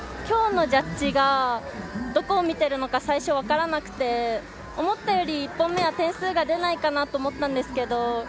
今日のジャッジがどこを見ているのか最初、分からなくて思ったより１本目は点数が出ないかなと思ったんですけど。